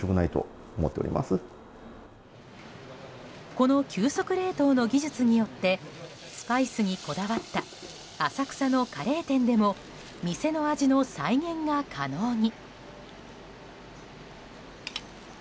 この急速冷凍の技術によってスパイスにこだわった浅草のカレー店でも店の味の再現が可能に。